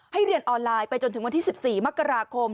เรียนออนไลน์ไปจนถึงวันที่๑๔มกราคม